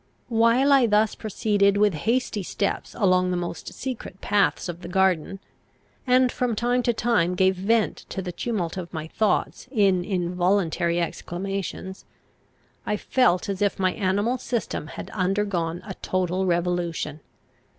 While I thus proceeded with hasty steps along the most secret paths of the garden, and from time to time gave vent to the tumult of my thoughts in involuntary exclamations, I felt as if my animal system had undergone a total revolution.